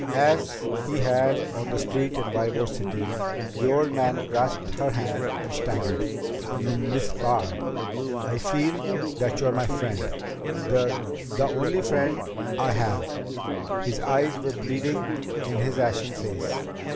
As he had on the street in Ybor City, the old man grasped her hand and stammered, "M Miss Barr I feel that you're my friend the the only friend I have " His eyes were pleading in his ashen face.